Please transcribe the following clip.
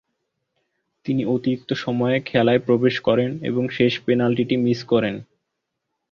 তিনি অতিরিক্ত সময়ে খেলায় প্রবেশ করেন এবং শেষ পেনাল্টিটি মিস করেন।